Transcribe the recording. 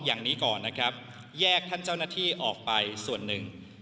อย่างนี้ก่อนนะครับแยกท่านเจ้าหน้าที่ออกไปส่วนหนึ่ง